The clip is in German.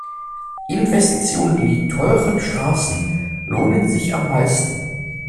Investitionen in die teuren Straßen lohnen sich am meisten.